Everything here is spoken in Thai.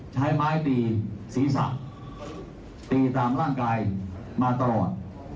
ใช้ไม้ตีศีรษะตีตามร่างกายมาตลอด